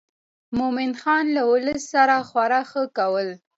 مومن خان له ولس سره خورا ښه کول.